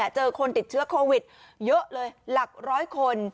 เจอคนติดเชื้อโควิดเยอะเลยหลักร้อยคน